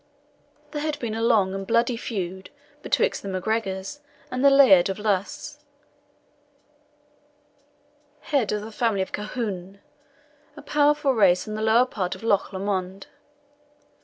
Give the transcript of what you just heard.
There had been a long and bloody feud betwixt the MacGregors and the Laird of Luss, head of the family of Colquhoun, a powerful race on the lower part of Loch Lomond.